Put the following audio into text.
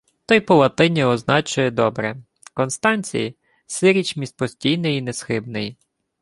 — То й по-латині означує добре: Констанцій — сиріч між постійний і несхибний.